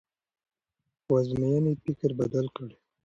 خو ازموینې یې فکر بدل کړ.